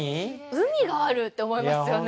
海があるって思いますよね